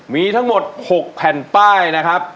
มีทั้งหมด๖แผ่นป้ายนะครับ